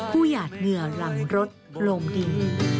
ผู้หยาดเหงื่อลำรดโลมดิน